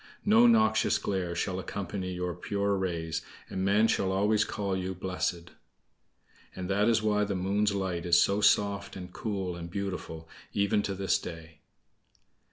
No noxious glare shall accompany your pure rays, and men shall always call you 'blessed.'" (And that is why the Moon's light is so soft, and cool, and beautiful even to this day.)